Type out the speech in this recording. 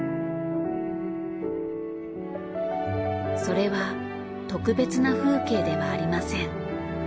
それは特別な風景ではありません。